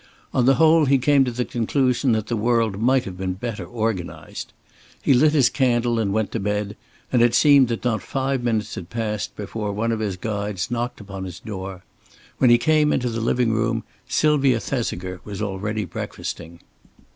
On the whole he came to the conclusion that the world might have been better organized. He lit his candle and went to bed, and it seemed that not five minutes had passed before one of his guides knocked upon his door. When he came into the living room Sylvia Thesiger was already breakfasting.